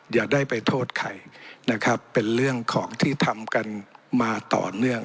อย่าได้ไปโทษใครนะครับเป็นเรื่องของที่ทำกันมาต่อเนื่อง